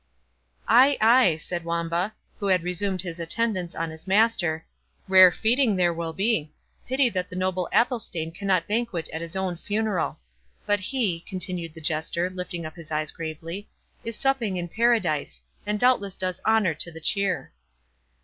"Ay, ay," said Wamba, who had resumed his attendance on his master, "rare feeding there will be—pity that the noble Athelstane cannot banquet at his own funeral.—But he," continued the Jester, lifting up his eyes gravely, "is supping in Paradise, and doubtless does honour to the cheer."